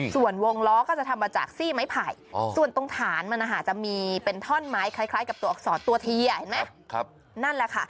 ส่วนวงล้อก็จะทำมาจากซี่ไม้ไผ่ส่วนตรงฐานมันจะมีเป็นท่อนไม้คล้ายกับตัวอักษรตัวทีเห็นไหมนั่นแหละค่ะ